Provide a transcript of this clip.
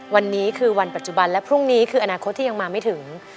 วันนี้คือวันปัจจุบันและพรุ่งนี้คืออนาคตที่ยังมาไม่ถึง